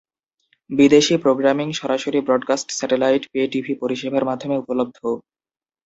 বিদেশী প্রোগ্রামিং সরাসরি broadcast satellite pay TV পরিষেবার মাধ্যমে উপলব্ধ।